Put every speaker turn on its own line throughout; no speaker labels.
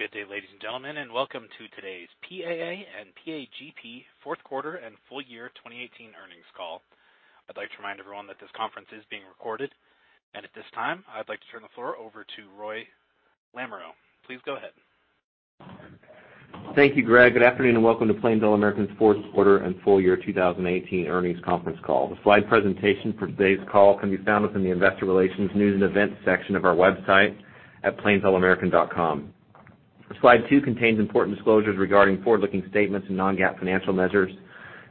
Good day, ladies and gentlemen, Welcome to today's PAA and PAGP fourth quarter and full year 2018 earnings call. I'd like to remind everyone that this conference is being recorded. At this time, I'd like to turn the floor over to Roy Lamoreaux. Please go ahead.
Thank you, Greg. Good afternoon, Welcome to Plains All American's fourth quarter and full year 2018 earnings conference call. The slide presentation for today's call can be found within the investor relations news and events section of our website at plainsallamerican.com. Slide two contains important disclosures regarding forward-looking statements and non-GAAP financial measures.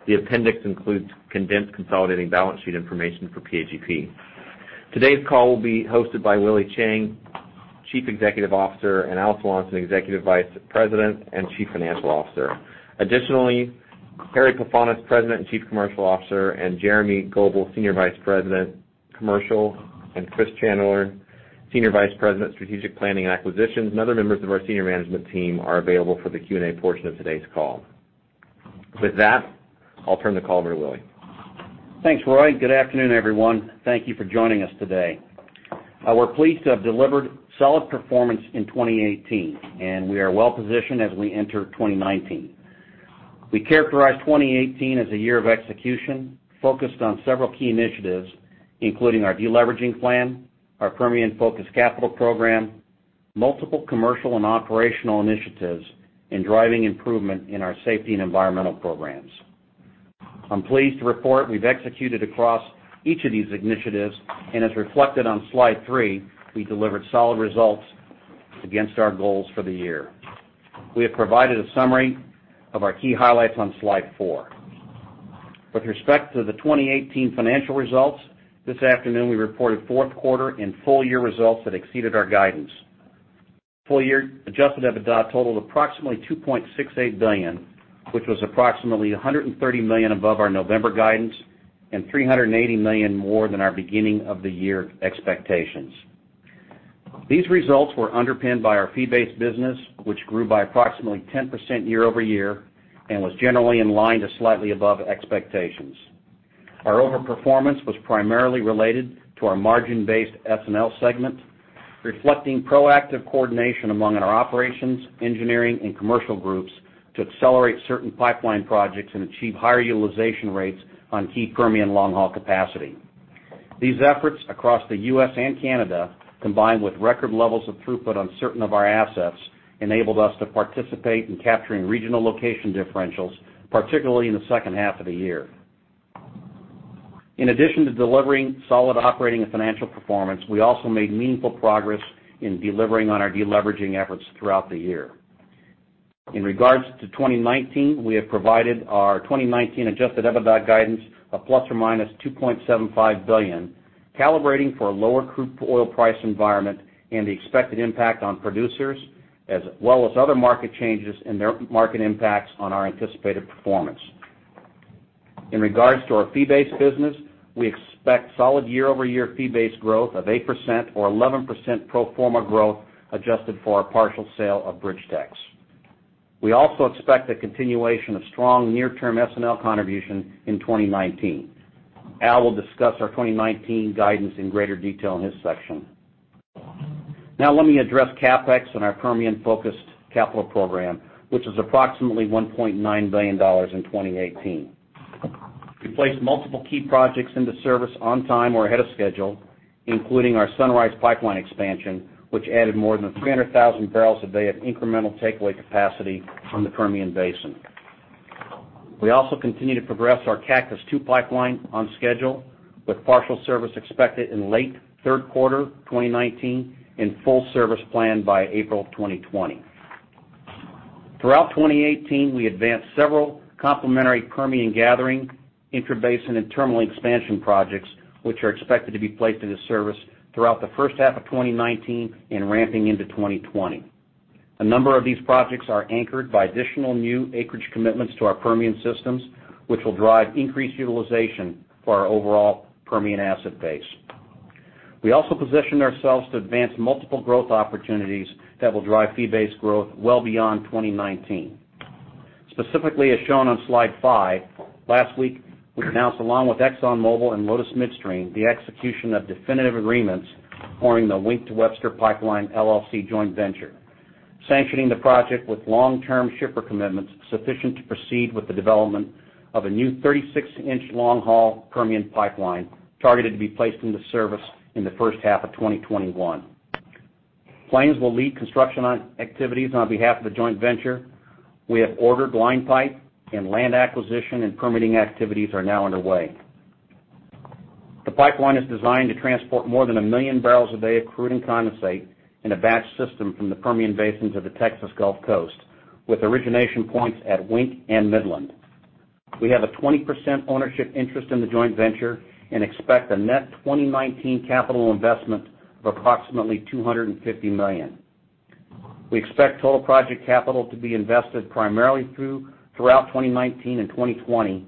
The appendix includes condensed consolidated balance sheet information for PAGP. Today's call will be hosted by Willie Chiang, Chief Executive Officer, and Al Swanson, Executive Vice President and Chief Financial Officer. Additionally, Harry Pefanis, President and Chief Commercial Officer, Jeremy Goebel, Senior Vice President, Commercial, Chris Chandler, Senior Vice President, Strategic Planning and Acquisitions, and other members of our senior management team are available for the Q&A portion of today's call. That, I'll turn the call over to Willie.
Thanks, Roy. Good afternoon, everyone. Thank you for joining us today. We're pleased to have delivered solid performance in 2018. We are well-positioned as we enter 2019. We characterize 2018 as a year of execution focused on several key initiatives, including our de-leveraging plan, our Permian-focused capital program, multiple commercial and operational initiatives, driving improvement in our safety and environmental programs. I'm pleased to report we've executed across each of these initiatives, as reflected on slide three, we delivered solid results against our goals for the year. We have provided a summary of our key highlights on slide four. With respect to the 2018 financial results, this afternoon, we reported fourth quarter and full-year results that exceeded our guidance. Full-year adjusted EBITDA totaled approximately $2.68 billion, which was approximately $130 million above our November guidance and $380 million more than our beginning of the year expectations. These results were underpinned by our fee-based business, which grew by approximately 10% year-over-year and was generally in line to slightly above expectations. Our over-performance was primarily related to our margin-based S&L segment, reflecting proactive coordination among our operations, engineering, and commercial groups to accelerate certain pipeline projects and achieve higher utilization rates on key Permian long-haul capacity. These efforts across the U.S. Canada, combined with record levels of throughput on certain of our assets, enabled us to participate in capturing regional location differentials, particularly in the second half of the year. In addition to delivering solid operating and financial performance, we also made meaningful progress in delivering on our de-leveraging efforts throughout the year. In regards to 2019, we have provided our 2019 adjusted EBITDA guidance of ±$2.75 billion, calibrating for a lower crude oil price environment and the expected impact on producers, as well as other market changes and their market impacts on our anticipated performance. In regards to our fee-based business, we expect solid year-over-year fee-based growth of 8% or 11% pro forma growth adjusted for our partial sale of BridgeTex. We also expect a continuation of strong near-term S&L contribution in 2019. Al will discuss our 2019 guidance in greater detail in his section. Now let me address CapEx and our Permian-focused capital program, which is approximately $1.9 billion in 2018. We placed multiple key projects into service on time or ahead of schedule, including our Sunrise Pipeline expansion, which added more than 300,000 barrels a day of incremental takeaway capacity from the Permian Basin. We also continue to progress our Cactus II Pipeline on schedule, with partial service expected in late third quarter 2019 and full service planned by April 2020. Throughout 2018, we advanced several complementary Permian gathering intrabasin and terminal expansion projects, which are expected to be placed into service throughout the first half of 2019 and ramping into 2020. A number of these projects are anchored by additional new acreage commitments to our Permian systems, which will drive increased utilization for our overall Permian asset base. We also positioned ourselves to advance multiple growth opportunities that will drive fee-based growth well beyond 2019. Specifically, as shown on slide five, last week, we announced along with ExxonMobil and Lotus Midstream the execution of definitive agreements forming the Wink to Webster Pipeline LLC joint venture, sanctioning the project with long-term shipper commitments sufficient to proceed with the development of a new 36-inch long-haul Permian pipeline targeted to be placed into service in the first half of 2021. Plains will lead construction activities on behalf of the joint venture. We have ordered line pipe and land acquisition and permitting activities are now underway. The pipeline is designed to transport more than a million barrels a day of crude and condensate in a batch system from the Permian Basins of the Texas Gulf Coast, with origination points at Wink and Midland. We have a 20% ownership interest in the joint venture and expect a net 2019 capital investment of approximately $250 million. We expect total project capital to be invested primarily throughout 2019 and 2020,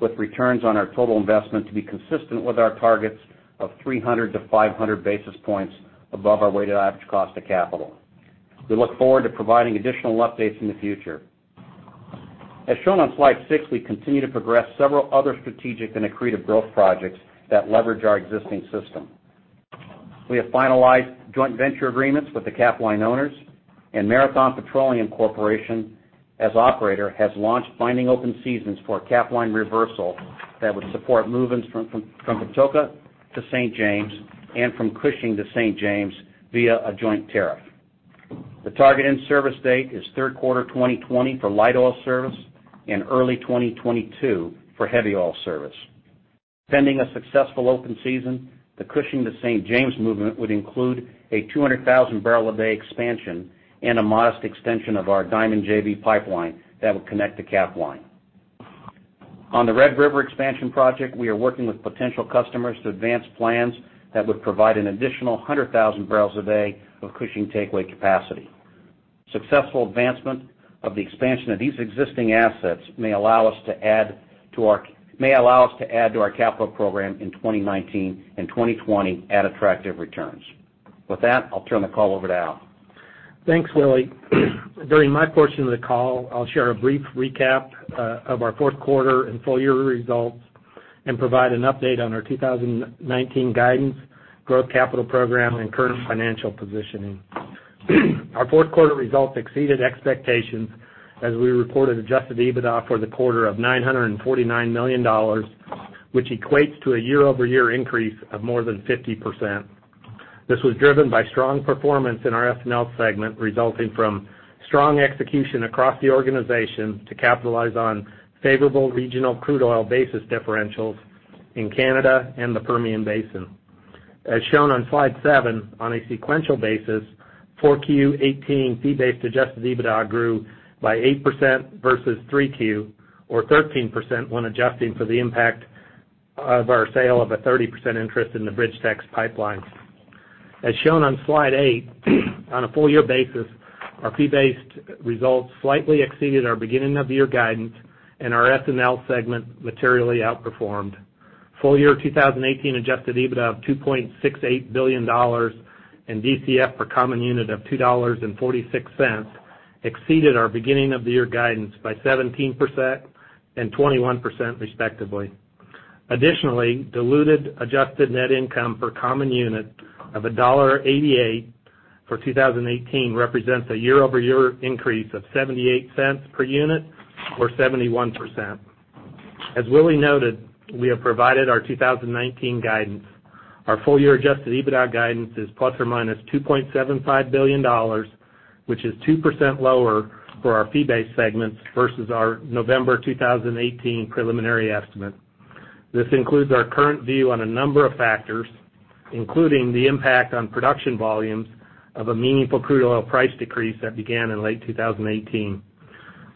with returns on our total investment to be consistent with our targets of 300 to 500 basis points above our weighted average cost of capital. We look forward to providing additional updates in the future. As shown on slide six, we continue to progress several other strategic and accretive growth projects that leverage our existing system. We have finalized joint venture agreements with the Capline owners and Marathon Petroleum Corporation, as operator, has launched binding open seasons for Capline reversal that would support movements from Patoka to St. James and from Cushing to St. James via a joint tariff. The target in-service date is third quarter 2020 for light oil service and early 2022 for heavy oil service. Pending a successful open season, the Cushing to St. James movement would include a 200,000-barrel-a-day expansion and a modest extension of our Diamond JV pipeline that would connect to Capline. On the Red River expansion project, we are working with potential customers to advance plans that would provide an additional 100,000 barrels a day of Cushing takeaway capacity. Successful advancement of the expansion of these existing assets may allow us to add to our capital program in 2019 and 2020 at attractive returns. With that, I'll turn the call over to Al.
Thanks, Willie. During my portion of the call, I'll share a brief recap of our fourth quarter and full-year results and provide an update on our 2019 guidance, growth capital program, and current financial positioning. Our fourth quarter results exceeded expectations as we reported adjusted EBITDA for the quarter of $949 million, which equates to a year-over-year increase of more than 50%. This was driven by strong performance in our S&L segment, resulting from strong execution across the organization to capitalize on favorable regional crude oil basis differentials in Canada and the Permian Basin. As shown on slide seven, on a sequential basis, 4Q 2018 fee-based adjusted EBITDA grew by 8% versus 3Q, or 13% when adjusting for the impact of our sale of a 30% interest in the BridgeTex pipelines. As shown on slide eight, on a full-year basis, our fee-based results slightly exceeded our beginning of year guidance and our S&L segment materially outperformed. Full-year 2018 adjusted EBITDA of $2.68 billion and DCF per common unit of $2.46 exceeded our beginning of the year guidance by 17% and 21% respectively. Additionally, diluted adjusted net income per common unit of $1.88 for 2018 represents a year-over-year increase of $0.78 per unit or 71%. As Willie noted, we have provided our 2019 guidance. Our full-year adjusted EBITDA guidance is ±$2.75 billion, which is 2% lower for our fee-based segments versus our November 2018 preliminary estimate. This includes our current view on a number of factors, including the impact on production volumes of a meaningful crude oil price decrease that began in late 2018.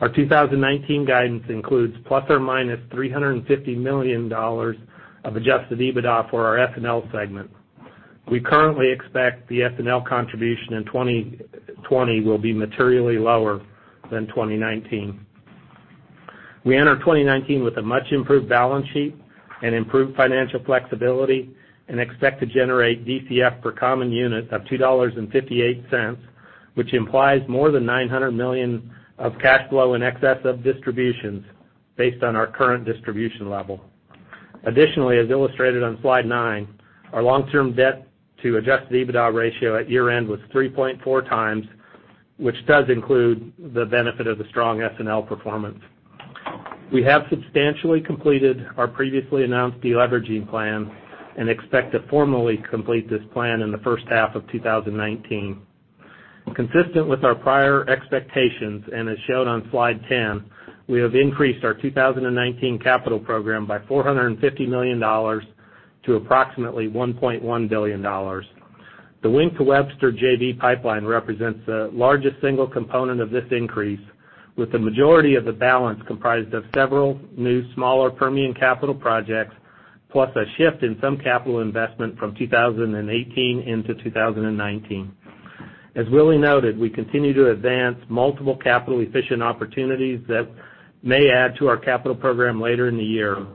Our 2019 guidance includes ±$350 million of adjusted EBITDA for our S&L segment. We currently expect the S&L contribution in 2020 will be materially lower than 2019. We enter 2019 with a much-improved balance sheet and improved financial flexibility and expect to generate DCF per common unit of $2.58, which implies more than $900 million of cash flow in excess of distributions based on our current distribution level. Additionally, as illustrated on slide nine, our long-term debt to adjusted EBITDA ratio at year-end was 3.4x, which does include the benefit of the strong S&L performance. We have substantially completed our previously announced deleveraging plan and expect to formally complete this plan in the first half of 2019. Consistent with our prior expectations and as shown on slide 10, we have increased our 2019 capital program by $450 million to approximately $1.1 billion. The Wink to Webster JV pipeline represents the largest single component of this increase, with the majority of the balance comprised of several new smaller Permian capital projects, plus a shift in some capital investment from 2018 into 2019. As Willie noted, we continue to advance multiple capital-efficient opportunities that may add to our capital program later in the year.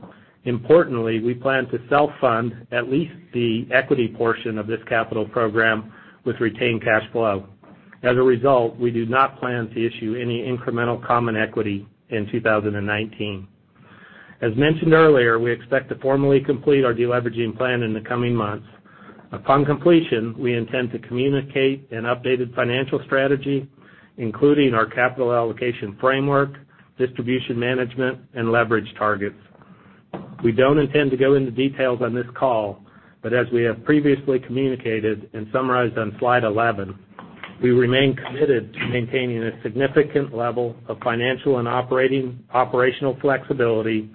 Importantly, we plan to self-fund at least the equity portion of this capital program with retained cash flow. As a result, we do not plan to issue any incremental common equity in 2019. As mentioned earlier, we expect to formally complete our deleveraging plan in the coming months. Upon completion, we intend to communicate an updated financial strategy, including our capital allocation framework, distribution management, and leverage targets. We don't intend to go into details on this call, as we have previously communicated and summarized on slide 11, we remain committed to maintaining a significant level of financial and operational flexibility,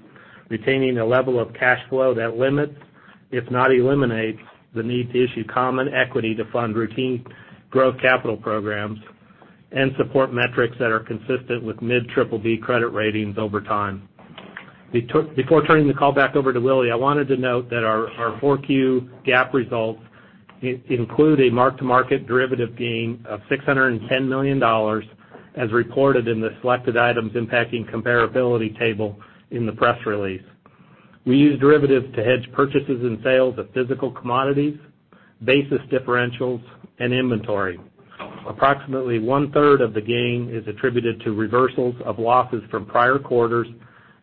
retaining a level of cash flow that limits, if not eliminates, the need to issue common equity to fund routine growth capital programs and support metrics that are consistent with mid-BBB credit ratings over time. Before turning the call back over to Willie, I wanted to note that our 4Q GAAP results include a mark-to-market derivative gain of $610 million, as reported in the Selected Items Impacting Comparability table in the press release. We use derivatives to hedge purchases and sales of physical commodities, basis differentials, and inventory. Approximately one-third of the gain is attributed to reversals of losses from prior quarters,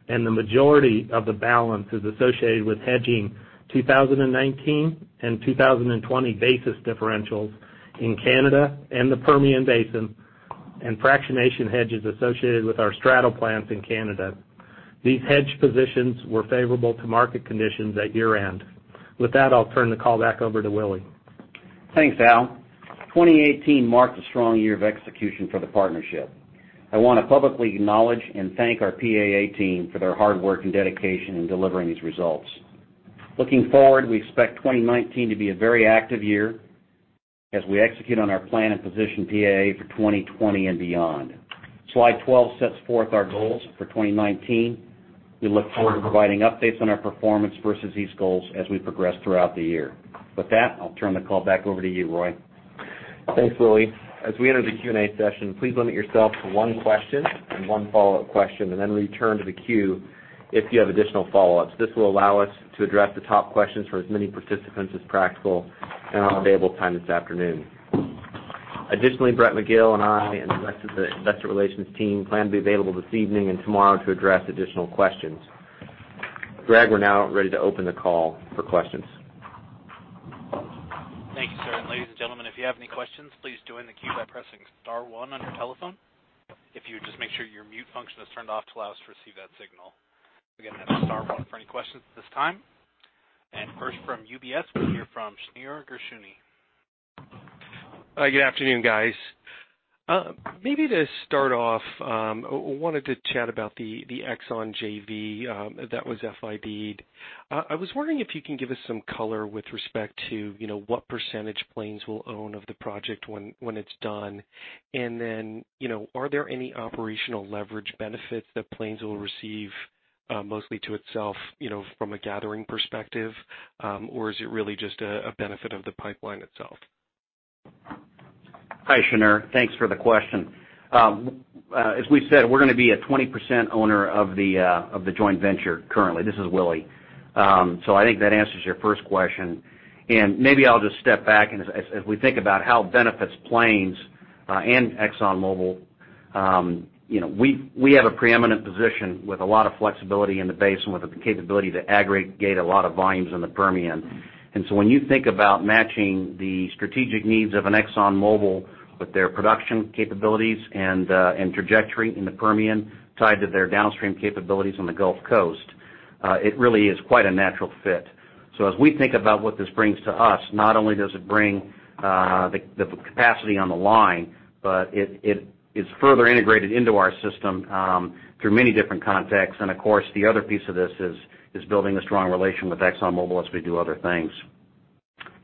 and the majority of the balance is associated with hedging 2019 and 2020 basis differentials in Canada and the Permian Basin, and fractionation hedges associated with our straddle plants in Canada. These hedge positions were favorable to market conditions at year-end. With that, I'll turn the call back over to Willie.
Thanks, Al. 2018 marked a strong year of execution for the partnership. I want to publicly acknowledge and thank our PAA team for their hard work and dedication in delivering these results. Looking forward, we expect 2019 to be a very active year as we execute on our plan and position PAA for 2020 and beyond. Slide 12 sets forth our goals for 2019. We look forward to providing updates on our performance versus these goals as we progress throughout the year. With that, I'll turn the call back over to you, Roy.
Thanks, Willie. As we enter the Q&A session, please limit yourself to one question and one follow-up question, then return to the queue if you have additional follow-ups. This will allow us to address the top questions from as many participants as practical in our available time this afternoon. Brett Magill and I and the rest of the investor relations team plan to be available this evening and tomorrow to address additional questions. Greg, we are now ready to open the call for questions.
Thank you, sir. Ladies and gentlemen, if you have any questions, please join the queue by pressing star one on your telephone. If you would just make sure your mute function is turned off to allow us to receive that signal. Again, that is star one for any questions at this time. First from UBS, we hear from Shneur Gershuni.
Hi, good afternoon, guys. To start off, wanted to chat about the Exxon JV that was FIDed. I was wondering if you can give us some color with respect to what percentage Plains will own of the project when it is done. Are there any operational leverage benefits that Plains will receive, mostly to itself, from a gathering perspective? Or is it really just a benefit of the pipeline itself?
Hi, Shneur. Thanks for the question. As we have said, we are going to be a 20% owner of the joint venture currently. This is Willie. I think that answers your first question. Maybe I will just step back as we think about how it benefits Plains and ExxonMobil. We have a preeminent position with a lot of flexibility in the basin, with the capability to aggregate a lot of volumes in the Permian. When you think about matching the strategic needs of an ExxonMobil with their production capabilities and trajectory in the Permian tied to their downstream capabilities on the Gulf Coast, it really is quite a natural fit. As we think about what this brings to us, not only does it bring the capacity on the line, but it is further integrated into our system through many different contexts. Of course, the other piece of this is building a strong relation with ExxonMobil as we do other things.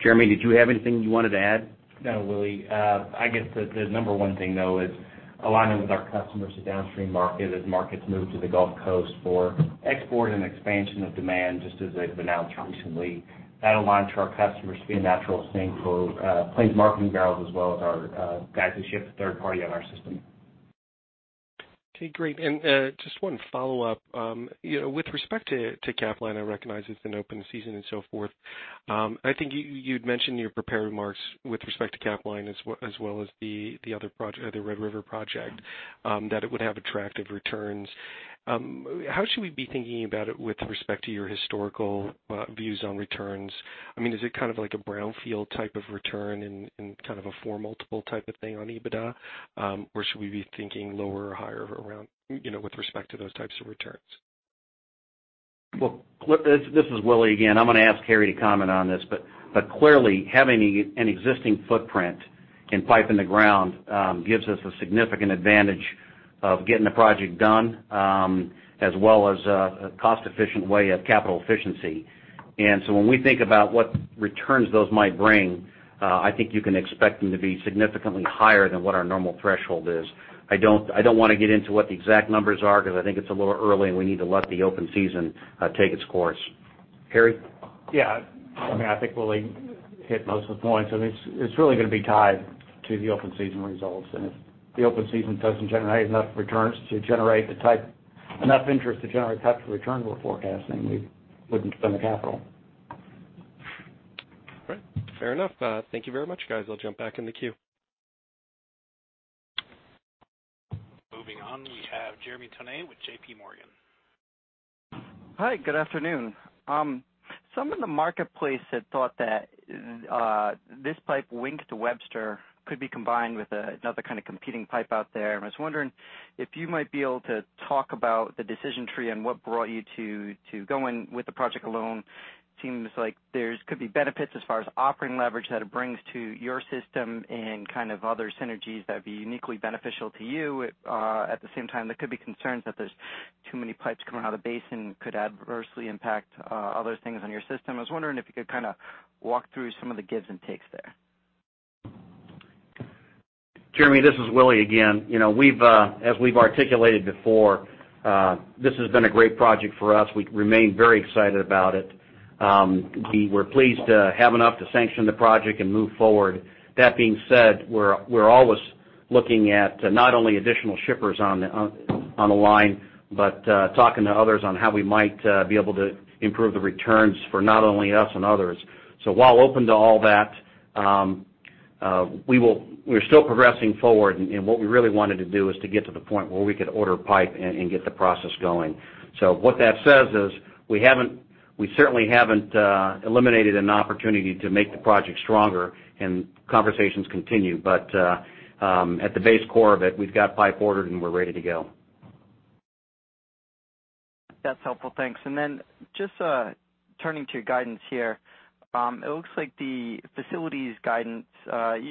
Jeremy, did you have anything you wanted to add?
No, Willie. I guess the number one thing, though, is aligning with our customers to downstream market as markets move to the Gulf Coast for export and expansion of demand, just as they've announced recently. That aligned to our customers to be a natural thing for Plains Marketing barrels as well as our guys who ship third party on our system.
Okay, great. Just one follow-up. With respect to Capline, I recognize it's an open season and so forth. I think you'd mentioned in your prepared remarks with respect to Capline as well as the other Red River project, that it would have attractive returns. How should we be thinking about it with respect to your historical views on returns? I mean, is it kind of like a brownfield type of return in kind of a four multiple type of thing on EBITDA? Or should we be thinking lower or higher with respect to those types of returns?
Well, this is Willie again. I'm gonna ask Harry to comment on this. Clearly, having an existing footprint and pipe in the ground gives us a significant advantage of getting the project done, as well as a cost-efficient way of capital efficiency. When we think about what returns those might bring, I think you can expect them to be significantly higher than what our normal threshold is. I don't want to get into what the exact numbers are, because I think it's a little early, and we need to let the open season take its course. Harry?
Yeah. I mean, I think Willie hit most of the points. I mean, it's really gonna be tied to the open season results. If the open season doesn't generate enough returns to generate enough interest to generate the type of return we're forecasting, we wouldn't spend the capital.
All right. Fair enough. Thank you very much, guys. I'll jump back in the queue.
Moving on, we have Jeremy Tonet with JPMorgan.
Hi, good afternoon. Some in the marketplace had thought that this pipe Wink to Webster could be combined with another kind of competing pipe out there. I was wondering if you might be able to talk about the decision tree and what brought you to going with the project alone. Seems like there could be benefits as far as operating leverage that it brings to your system and kind of other synergies that would be uniquely beneficial to you. At the same time, there could be concerns that there's too many pipes coming out of the basin could adversely impact other things on your system. I was wondering if you could kind of walk through some of the gives and takes there.
Jeremy, this is Willie again. As we've articulated before, this has been a great project for us. We remain very excited about it. We're pleased to have enough to sanction the project and move forward. That being said, we're always looking at not only additional shippers on the line, but talking to others on how we might be able to improve the returns for not only us and others. While open to all that, we're still progressing forward. What we really wanted to do is to get to the point where we could order pipe and get the process going. What that says is, we certainly haven't eliminated an opportunity to make the project stronger, and conversations continue. But at the base core of it, we've got pipe ordered and we're ready to go.
That's helpful. Thanks. Then just turning to guidance here, it looks like the facilities guidance,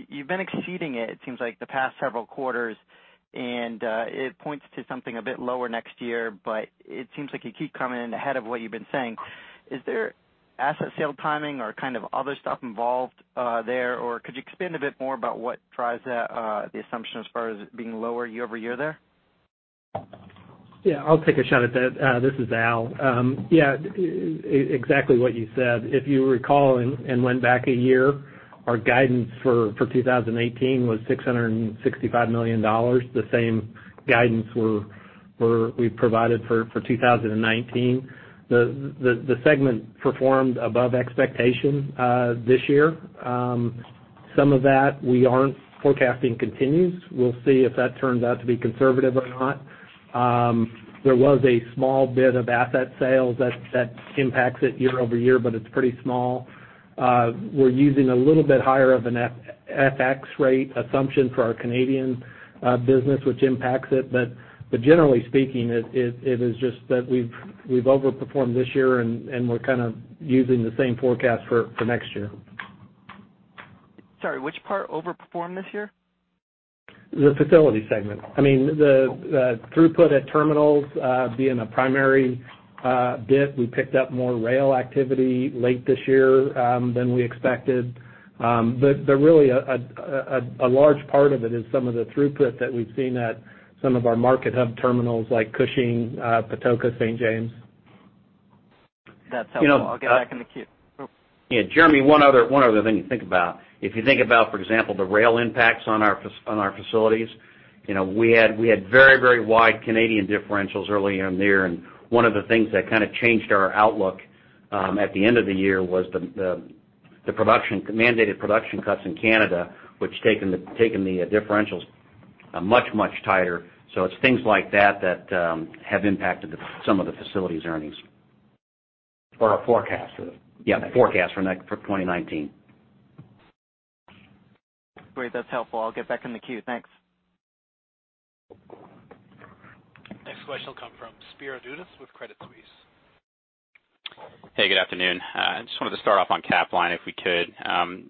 you've been exceeding it seems like, the past several quarters, and it points to something a bit lower next year, but it seems like you keep coming in ahead of what you've been saying. Is there asset sale timing or kind of other stuff involved there, or could you expand a bit more about what drives the assumption as far as it being lower year-over-year there?
Yeah, I'll take a shot at that. This is Al. Yeah, exactly what you said. If you recall and went back a year, our guidance for 2018 was $665 million, the same guidance we provided for 2019. The segment performed above expectation this year. Some of that we aren't forecasting continues. We'll see if that turns out to be conservative or not. There was a small bit of asset sales that impacts it year-over-year, but it's pretty small. We're using a little bit higher of an FX rate assumption for our Canadian business, which impacts it. Generally speaking, it is just that we've overperformed this year, and we're kind of using the same forecast for next year.
Sorry, which part overperformed this year?
The facility segment. The throughput at terminals being a primary bit. We picked up more rail activity late this year than we expected. Really, a large part of it is some of the throughput that we've seen at some of our market hub terminals, like Cushing, Patoka, St. James.
That's helpful. I'll get back in the queue.
Yeah. Jeremy, one other thing to think about. If you think about, for example, the rail impacts on our facilities, we had very wide Canadian differentials early on there, and one of the things that kind of changed our outlook at the end of the year was the mandated production cuts in Canada, which had taken the differentials much tighter. It's things like that that have impacted some of the facilities' earnings.
Our forecast.
Yeah, forecast for 2019.
Great. That's helpful. I'll get back in the queue. Thanks.
Next question will come from Spiro Dounis with Credit Suisse.
Hey, good afternoon. Just wanted to start off on Capline if we could.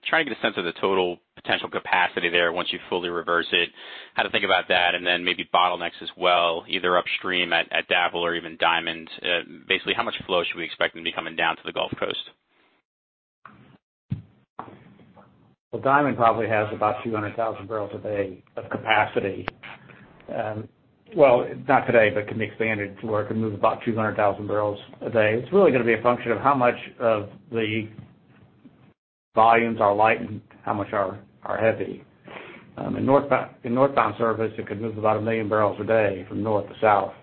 Trying to get a sense of the total potential capacity there once you fully reverse it, how to think about that, and then maybe bottlenecks as well, either upstream at DAPL or even Diamond. Basically, how much flow should we expect to be coming down to the Gulf Coast?
Well, Diamond Pipeline probably has about 200,000 barrels a day of capacity. Well, not today, but can be expanded to where it can move about 200,000 barrels a day. It's really going to be a function of how much of the volumes are light and how much are heavy. In northbound service, it could move about 1 million barrels a day from north to south,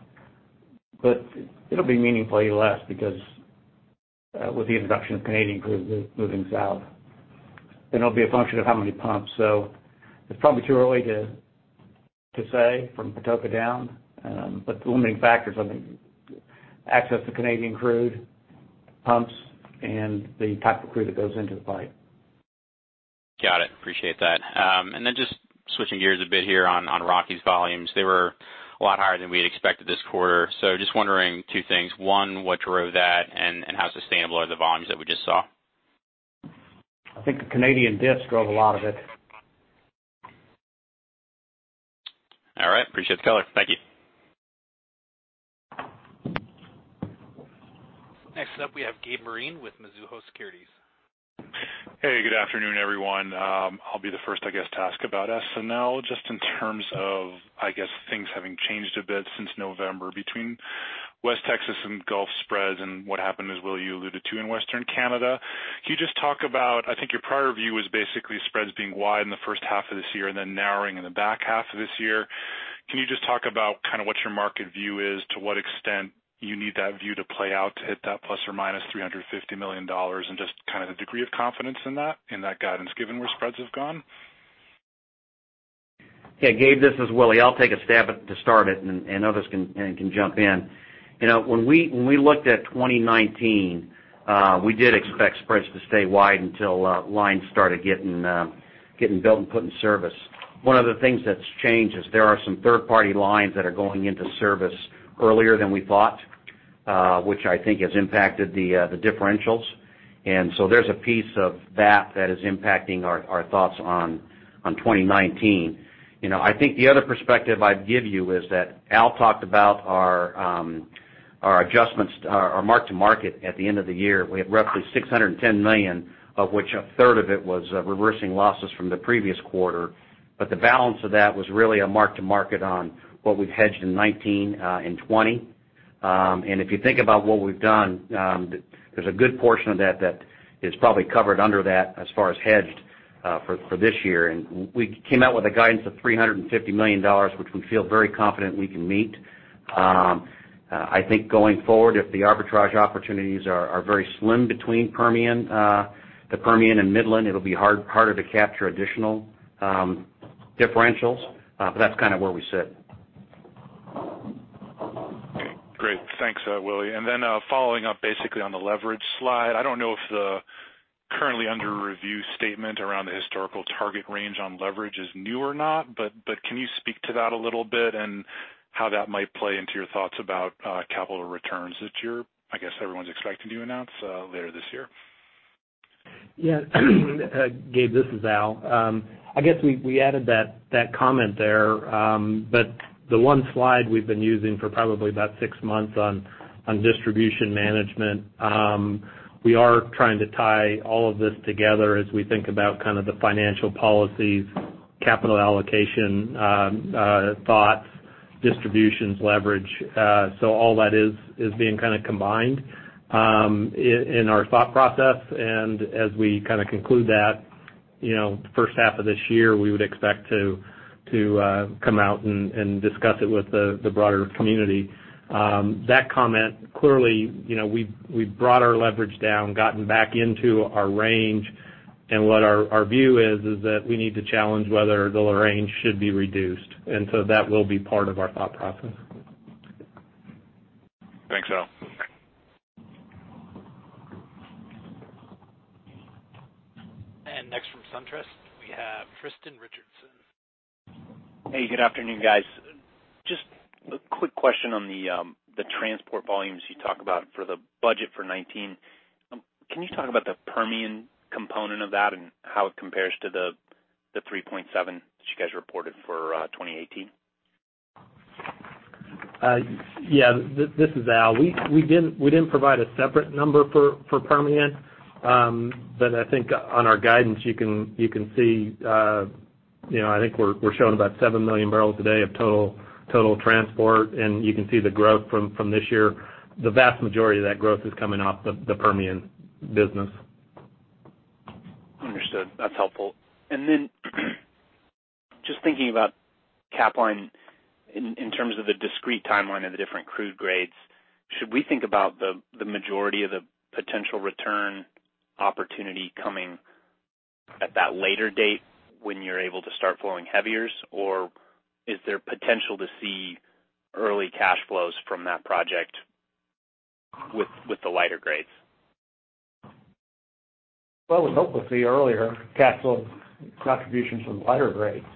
but it'll be meaningfully less because with the introduction of Canadian crude moving south. It'll be a function of how many pumps. It's probably too early to say from Patoka down, but the limiting factors are the access to Canadian crude, pumps, and the type of crude that goes into the pipe.
Got it. Appreciate that. Just switching gears a bit here on Rockies volumes. They were a lot higher than we had expected this quarter. Just wondering two things. One, what drove that, and how sustainable are the volumes that we just saw?
I think the Canadian diffs drove a lot of it.
All right. Appreciate the color. Thank you.
Next up, we have Gabe Moreen with Mizuho Securities.
Hey, good afternoon, everyone. I'll be the first, I guess, to ask about S&L, just in terms of things having changed a bit since November between West Texas and Gulf spreads and what happened, as Willie you alluded to, in Western Canada. Could you just talk about I think your prior view was basically spreads being wide in the first half of this year and then narrowing in the back half of this year. Can you just talk about kind of what your market view is, to what extent you need that view to play out to hit that ±$350 million, and just kind of the degree of confidence in that guidance given where spreads have gone?
Yeah, Gabe, this is Willie. I'll take a stab at to start it, and others can jump in. When we looked at 2019, we did expect spreads to stay wide until lines started getting built and put in service. One of the things that's changed is there are some third-party lines that are going into service earlier than we thought, which I think has impacted the differentials. So there's a piece of that that is impacting our thoughts on 2019. I think the other perspective I'd give you is that Al talked about our mark-to-market at the end of the year. We had roughly $610 million, of which a third of it was reversing losses from the previous quarter. The balance of that was really a mark to market on what we've hedged in 2019 and 2020. If you think about what we've done, there's a good portion of that that is probably covered under that as far as hedged for this year. We came out with a guidance of $350 million, which we feel very confident we can meet. I think going forward, if the arbitrage opportunities are very slim between the Permian and Midland, it'll be harder to capture additional differentials. That's kind of where we sit.
Great. Thanks, Willie. Following up basically on the leverage slide, I don't know if the currently under review statement around the historical target range on leverage is new or not, can you speak to that a little bit and how that might play into your thoughts about capital returns that you're, I guess, everyone's expecting to announce later this year?
Yeah. Gabe, this is Al. I guess we added that comment there, the one slide we've been using for probably about six months on distribution management, we are trying to tie all of this together as we think about kind of the financial policies, capital allocation thoughts, distributions, leverage. All that is being kind of combined in our thought process. As we kind of conclude that, the first half of this year, we would expect to come out and discuss it with the broader community. That comment, clearly, we've brought our leverage down, gotten back into our range, and what our view is that we need to challenge whether the range should be reduced. That will be part of our thought process.
Thanks, Al.
Next from SunTrust, we have Tristan Richardson.
Hey, good afternoon, guys. Just a quick question on the transport volumes you talk about for the budget for 2019. Can you talk about the Permian component of that and how it compares to the 3.7 that you guys reported for 2018?
Yeah, this is Al. We didn't provide a separate number for Permian. I think on our guidance, you can see I think we're showing about 7 million barrels a day of total transport, and you can see the growth from this year. The vast majority of that growth is coming off the Permian business.
Understood. That's helpful. Then just thinking about Capline in terms of the discrete timeline of the different crude grades, should we think about the majority of the potential return opportunity coming at that later date when you're able to start flowing heaviers? Or is there potential to see early cash flows from that project with the lighter grades?
Well, we hope we'll see earlier capital contributions from lighter grades.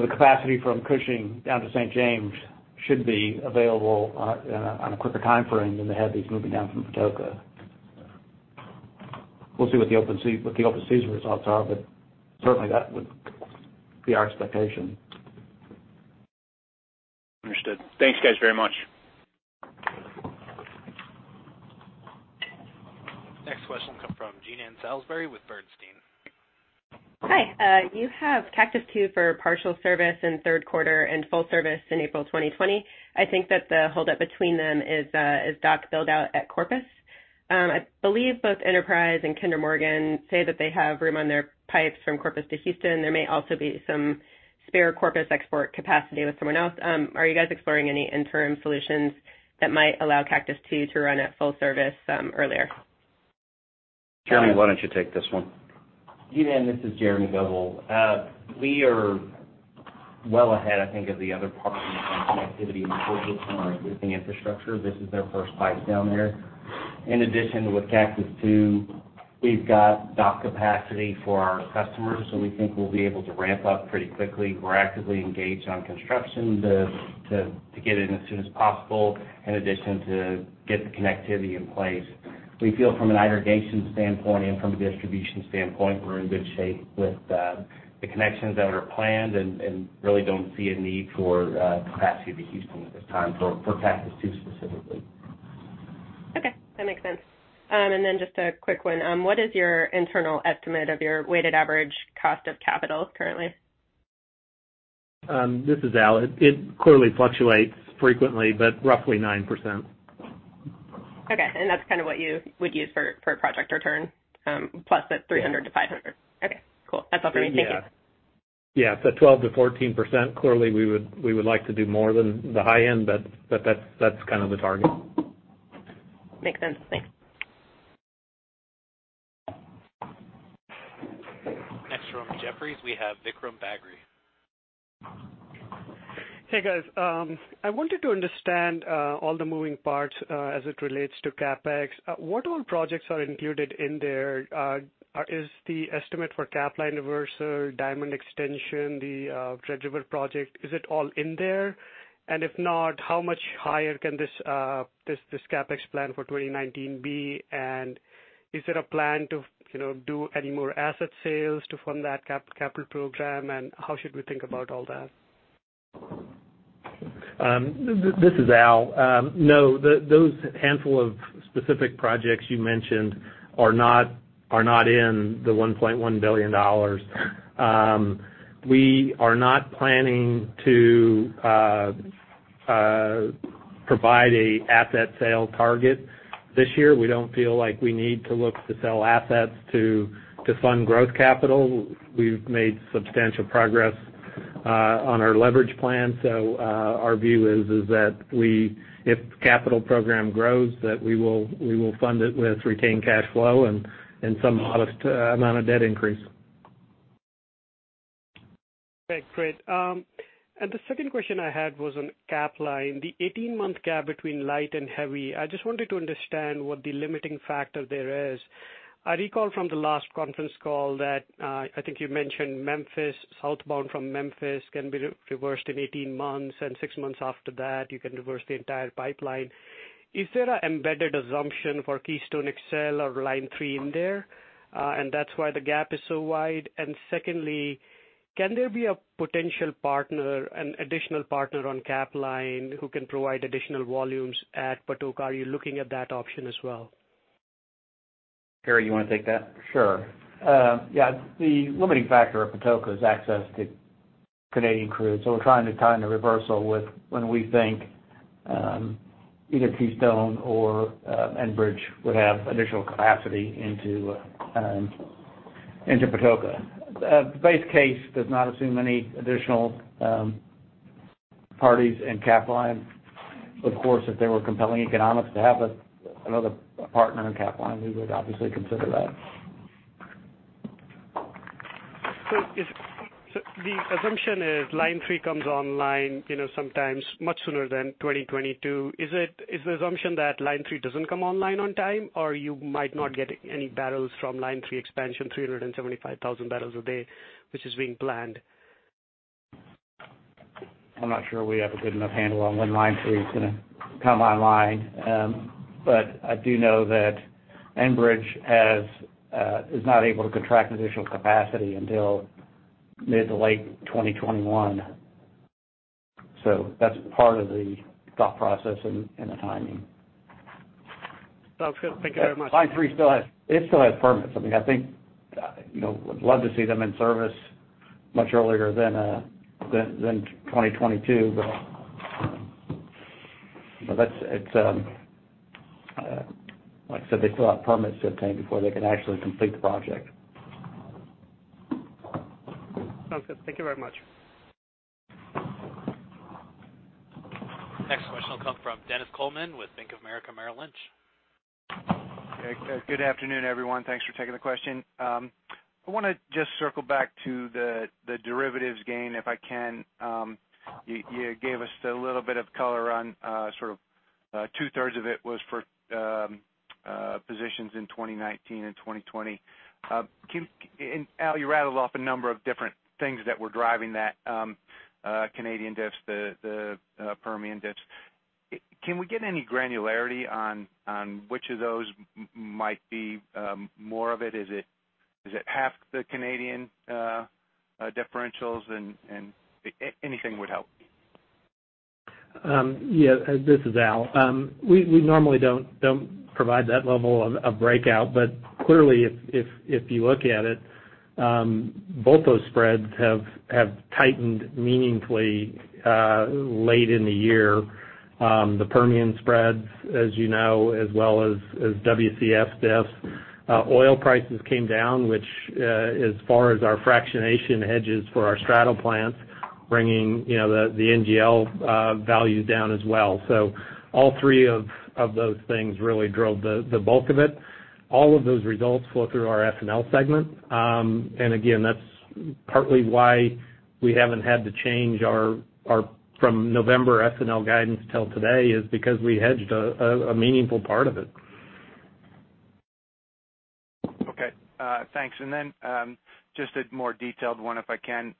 The capacity from Cushing down to St. James should be available on a quicker timeframe than the heavies moving down from Patoka. We'll see what the open season results are, certainly that would be our expectation.
Understood. Thanks, guys, very much.
Next question will come from Jean Ann Salisbury with Bernstein.
Hi. You have Cactus II for partial service in the third quarter and full service in April 2020. I think that the holdup between them is dock build-out at Corpus. I believe both Enterprise and Kinder Morgan say that they have room on their pipes from Corpus to Houston. There may also be some spare Corpus export capacity with someone else. Are you guys exploring any interim solutions that might allow Cactus II to run at full service earlier?
Jeremy, why don't you take this one?
Jean Ann, this is Jeremy Goebel. We are well ahead, I think, of the other parties on connectivity on our existing infrastructure. This is their first pipe down there. In addition, with Cactus II, we've got dock capacity for our customers who we think will be able to ramp up pretty quickly. We're actively engaged on construction to get in as soon as possible, in addition to get the connectivity in place. We feel from an irrigation standpoint and from a distribution standpoint, we're in good shape with the connections that are planned and really don't see a need for capacity to Houston at this time for Cactus II specifically.
Okay. That makes sense. Then just a quick one. What is your internal estimate of your weighted average cost of capital currently?
This is Al. It clearly fluctuates frequently, but roughly 9%.
Okay. That's kind of what you would use for a project return, plus that 300 to 500?
Yeah.
Okay, cool. That's all for me. Thank you.
Yeah. 12%-14%. Clearly, we would like to do more than the high end, but that's kind of the target.
Makes sense. Thanks.
Next from Jefferies, we have Vikram Bagri.
Hey, guys. I wanted to understand all the moving parts as it relates to CapEx. What all projects are included in there? Is the estimate for Capline reversal, Diamond extension, the Red River project, is it all in there? If not, how much higher can this CapEx plan for 2019 be? Is there a plan to do any more asset sales to fund that capital program, and how should we think about all that?
This is Al. No, those handful of specific projects you mentioned are not in the $1.1 billion. We are not planning to provide an asset sale target this year. We don't feel like we need to look to sell assets to fund growth capital. We've made substantial progress on our leverage plan. Our view is that if capital program grows, that we will fund it with retained cash flow and some modest amount of debt increase.
Okay, great. The second question I had was on Capline, the 18-month gap between light and heavy. I just wanted to understand what the limiting factor there is. I recall from the last conference call that, I think you mentioned Memphis, southbound from Memphis, can be reversed in 18 months, and six months after that, you can reverse the entire pipeline. Is there an embedded assumption for Keystone XL or Line 3 in there, and that's why the gap is so wide? Secondly, can there be a potential partner, an additional partner on Capline who can provide additional volumes at Patoka? Are you looking at that option as well?
Gary, you want to take that?
Sure. The limiting factor at Patoka is access to Canadian crude. We're trying to time the reversal with when we think, either Keystone or Enbridge would have additional capacity into Patoka. The base case does not assume any additional parties in Capline. Of course, if there were compelling economics to have another partner in Capline, we would obviously consider that.
The assumption is Line 3 comes online sometimes much sooner than 2022. Is the assumption that Line 3 doesn't come online on time, or you might not get any barrels from Line 3 expansion, 375,000 barrels a day, which is being planned?
I'm not sure we have a good enough handle on when Line 3 is going to come online. I do know that Enbridge is not able to contract additional capacity until mid to late 2021. That's part of the thought process and the timing.
Sounds good. Thank you very much.
Line 3, it still has permits. I would love to see them in service much earlier than 2022, like I said, they still have permits to obtain before they can actually complete the project.
Sounds good. Thank you very much.
Next question will come from Dennis Coleman with Bank of America Merrill Lynch.
Hey. Good afternoon, everyone. Thanks for taking the question. I want to just circle back to the derivatives gain, if I can. You gave us a little bit of color on two-thirds of it was for positions in 2019 and 2020. Al, you rattled off a number of different things that were driving that Canadian diffs, the Permian diffs. Can we get any granularity on which of those might be more of it? Is it half the Canadian differentials? Anything would help.
Yeah. This is Al. We normally don't provide that level of breakout, but clearly if you look at it, both those spreads have tightened meaningfully late in the year. The Permian spreads, as you know, as well as WCS diffs. Oil prices came down, which as far as our fractionation hedges for our straddle plants, bringing the NGL values down as well. All three of those things really drove the bulk of it. All of those results flow through our S&L segment. Again, that's partly why we haven't had to change our from November S&L guidance till today, is because we hedged a meaningful part of it.
Okay. Thanks. Just a more detailed one if I can.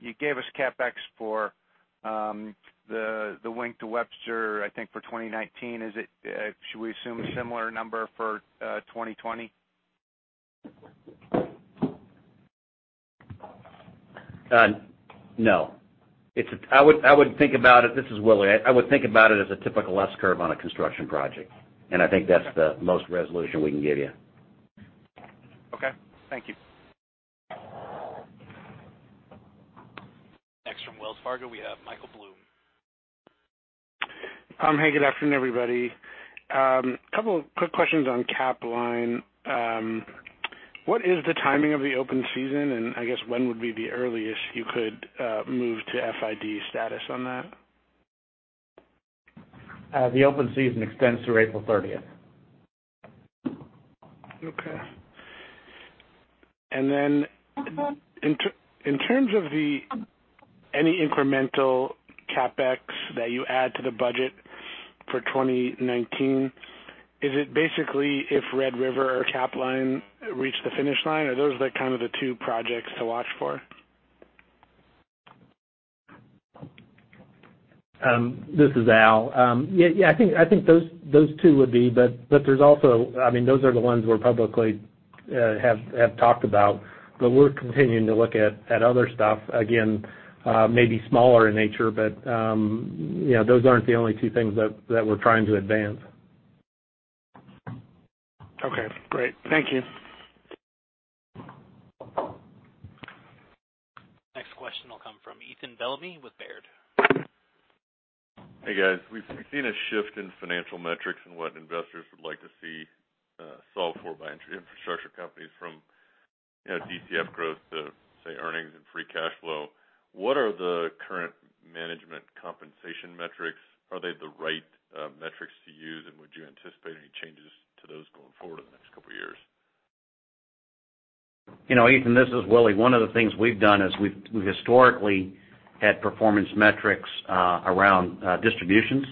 You gave us CapEx for the Wink to Webster, I think, for 2019. Should we assume a similar number for 2020?
No. This is Willie. I would think about it as a typical S-curve on a construction project, and I think that's the most resolution we can give you.
Okay. Thank you.
Next from Wells Fargo, we have Michael Blum.
Hey, good afternoon, everybody. Couple of quick questions on Capline. What is the timing of the open season, I guess when would be the earliest you could move to FID status on that?
The open season extends through April 30th.
Okay. Then in terms of any incremental CapEx that you add to the budget for 2019, is it basically if Red River or Capline reach the finish line? Are those the two projects to watch for?
This is Al. Yeah, I think those two would be, those are the ones we're publicly talked about. We're continuing to look at other stuff, again, maybe smaller in nature, but those aren't the only two things that we're trying to advance.
Okay, great. Thank you.
Next question will come from Ethan Bellamy with Baird.
Hey, guys. We've seen a shift in financial metrics and what investors would like to see solved for by infrastructure companies from DCF growth to, say, earnings and free cash flow. What are the current management compensation metrics? Are they the right metrics to use, and would you anticipate any changes to those going forward in the next couple of years?
Ethan, this is Willie. One of the things we've done is we've historically had performance metrics around distributions,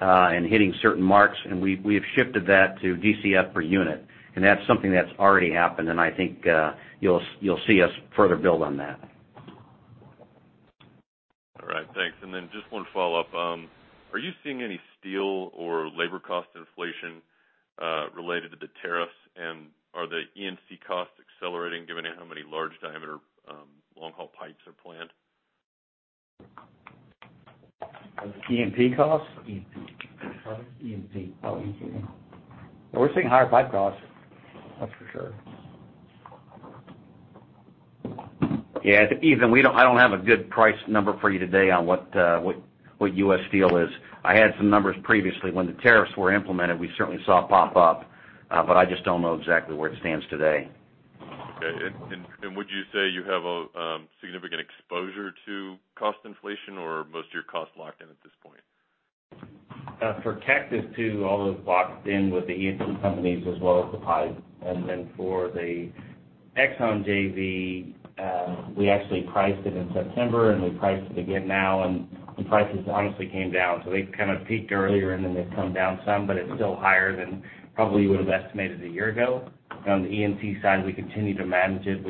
and hitting certain marks, and we have shifted that to DCF per unit. That's something that's already happened, and I think you'll see us further build on that.
All right. Thanks. Then just one follow-up. Are you seeing any steel or labor cost inflation related to the tariffs? Are the E&C costs accelerating given how many large diameter long-haul pipes are planned?
E&P costs?
E&P.
Pardon?
E&P.
Oh, E&P. We're seeing higher pipe costs, that's for sure. Yeah. Ethan, I don't have a good price number for you today on what U.S. steel is. I had some numbers previously. When the tariffs were implemented, we certainly saw it pop up, I just don't know exactly where it stands today.
Okay. Would you say you have a significant exposure to cost inflation or most of your costs are locked in at this point?
For Cactus II, all is locked in with the E&P companies as well as the pipe. For the ExxonMobil JV, we actually priced it in September, we priced it again now, the prices honestly came down. They've kind of peaked earlier, they've come down some, but it's still higher than probably we would've estimated a year ago. On the E&P side, we continue to manage it.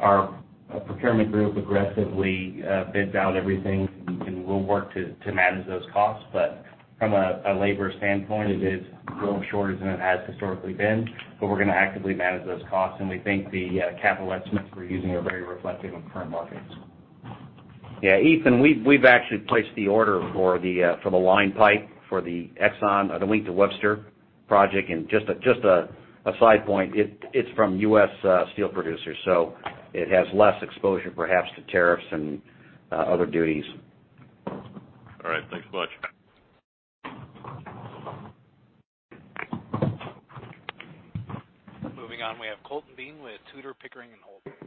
Our procurement group aggressively bids out everything, we'll work to manage those costs. From a labor standpoint, it is a little shorter than it has historically been, we're going to actively manage those costs, we think the capital estimates we're using are very reflective of current markets.
Yeah. Ethan, we've actually placed the order for the line pipe for the ExxonMobil, the Wink to Webster project. Just a side point, it's from U.S. steel producers, it has less exposure perhaps to tariffs and other duties.
All right. Thanks much.
Moving on, we have Colton Bean with Tudor, Pickering, and Holt.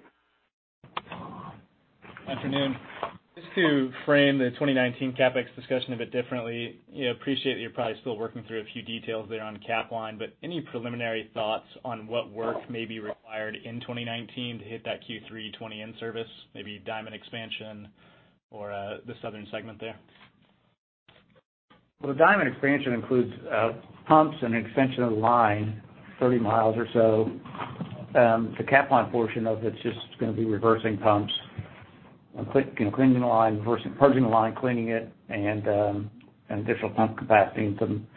Afternoon. Just to frame the 2019 CapEx discussion a bit differently. Appreciate that you're probably still working through a few details there on Capline, any preliminary thoughts on what work may be required in 2019 to hit that Q320 in service, maybe Diamond expansion or the southern segment there?
Well, the Diamond expansion includes pumps and extension of the line 30 miles or so. The Capline portion of it's just going to be reversing pumps and cleaning the line, purging the line, cleaning it, additional pump capacity and some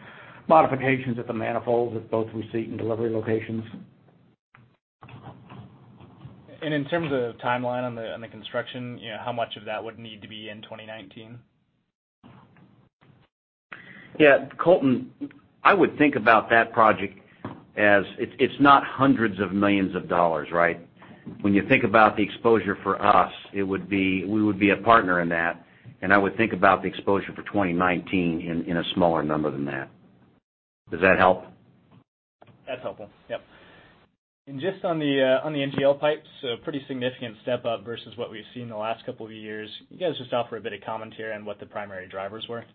modifications at the manifolds at both receipt and delivery locations.
In terms of timeline on the construction, how much of that would need to be in 2019?
Colton, I would think about that project as it's not hundreds of millions of dollars, right? When you think about the exposure for us, we would be a partner in that, I would think about the exposure for 2019 in a smaller number than that. Does that help?
That's helpful. Yep. Just on the NGL pipes, a pretty significant step up versus what we've seen the last couple of years. You guys just offer a bit of commentary on what the primary drivers were.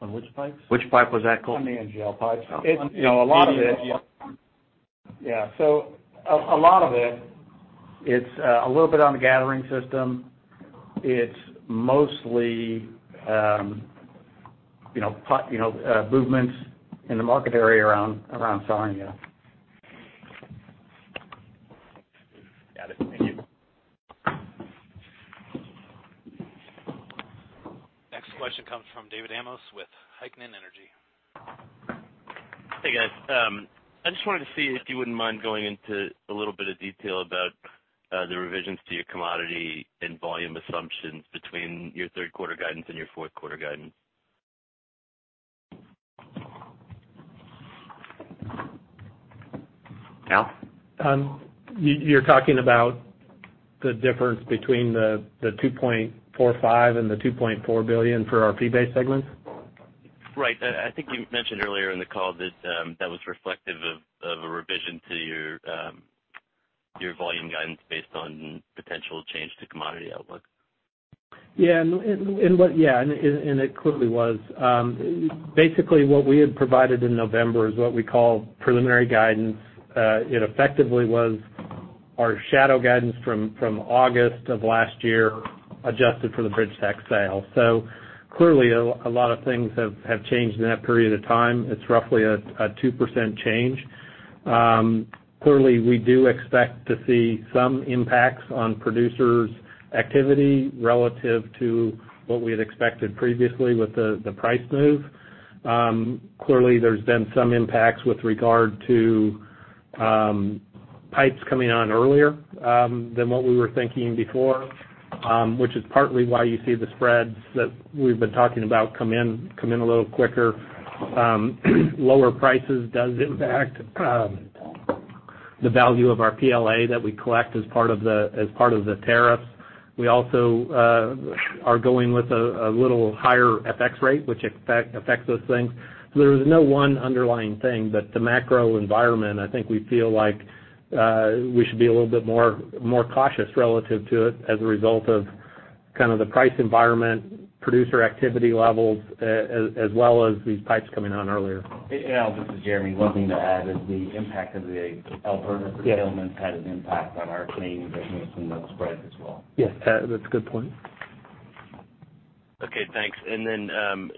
On which pipes?
Which pipe was that, Colton?
On the NGL pipes.
A lot of it.
Yeah. A lot of it's a little bit on the gathering system. It's mostly movements in the market area around Sarnia.
Got it. Thank you.
Next question comes from David Amos with Heikkinen Energy Advisors.
Hey, guys. I just wanted to see if you wouldn't mind going into a little bit of detail about the revisions to your commodity and volume assumptions between your third quarter guidance and your fourth quarter guidance.
Al?
You're talking about the difference between the $2.45 and the $2.4 billion for our fee-based segment?
Right. I think you mentioned earlier in the call that that was reflective of a revision to your volume guidance based on potential change to commodity outlook.
Yeah. It clearly was. Basically, what we had provided in November is what we call preliminary guidance. It effectively was our shadow guidance from August of last year, adjusted for the BridgeTex sale. Clearly, a lot of things have changed in that period of time. It's roughly a 2% change. Clearly, we do expect to see some impacts on producers' activity relative to what we had expected previously with the price move. Clearly, there's been some impacts with regard to pipes coming on earlier than what we were thinking before, which is partly why you see the spreads that we've been talking about come in a little quicker. Lower prices does impact the value of our PLA that we collect as part of the tariffs. We also are going with a little higher FX rate, which affects those things. There is no one underlying thing, but the macro environment, I think we feel like we should be a little bit more cautious relative to it as a result of kind of the price environment, producer activity levels, as well as these pipes coming on earlier.
Al, this is Jeremy. One thing to add is the impact of the El Paso settlement had an impact on our Plains and made some of those spreads as well.
Yes. That's a good point.
Okay. Thanks.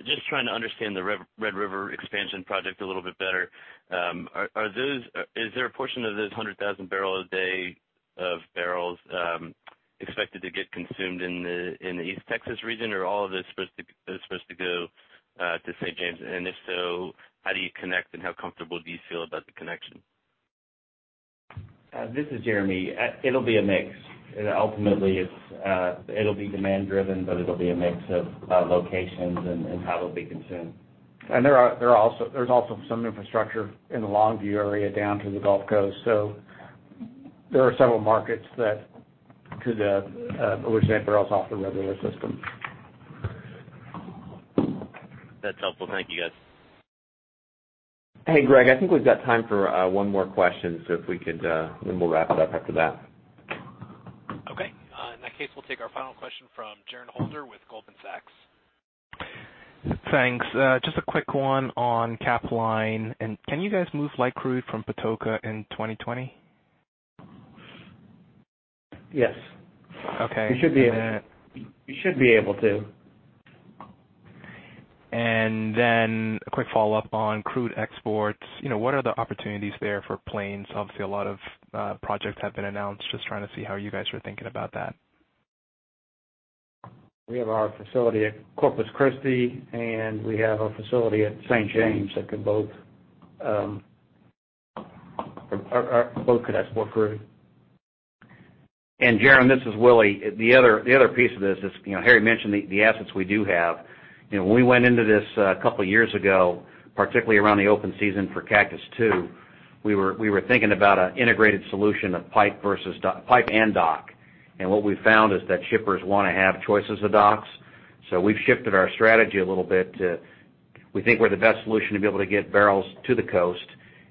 Just trying to understand the Red River expansion project a little bit better. Is there a portion of this 100,000 barrel a day of barrels expected to get consumed in the East Texas region? All of this is supposed to go to St. James? If so, how do you connect and how comfortable do you feel about the connection?
This is Jeremy. It'll be a mix. Ultimately, it'll be demand-driven, it'll be a mix of locations and how it'll be consumed. There's also some infrastructure in the Longview area down to the Gulf Coast. There are several markets that could originate barrels off the Red River system.
That's helpful. Thank you, guys.
Hey, Greg, I think we've got time for one more question, and then we'll wrap it up after that.
Okay. In that case, we'll take our final question from Jerren Holder with Goldman Sachs.
Thanks. Just a quick one on Capline. Can you guys move light crude from Patoka in 2020?
Yes.
Okay. We should be able to.
A quick follow-up on crude exports. What are the opportunities there for Plains? Obviously, a lot of projects have been announced. Just trying to see how you guys are thinking about that.
We have our facility at Corpus Christi, and we have a facility at St. James that both could export crude.
Jerren, this is Willie. The other piece of this is, Harry mentioned the assets we do have. When we went into this a couple of years ago, particularly around the open season for Cactus II, we were thinking about an integrated solution of pipe and dock. What we've found is that shippers want to have choices of docks. We've shifted our strategy a little bit to we think we're the best solution to be able to get barrels to the coast.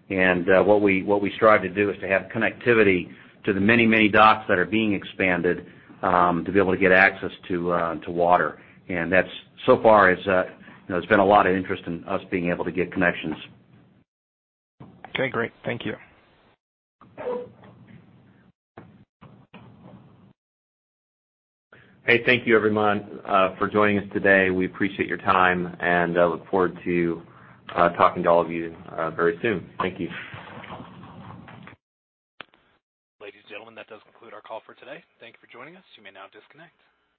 What we strive to do is to have connectivity to the many docks that are being expanded to be able to get access to water. That so far has been a lot of interest in us being able to get connections.
Okay, great. Thank you.
Hey, thank you everyone for joining us today. We appreciate your time, and I look forward to talking to all of you very soon. Thank you.
Ladies and gentlemen, that does conclude our call for today. Thank you for joining us. You may now disconnect.